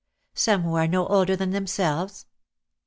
Some who are no older than themselves?"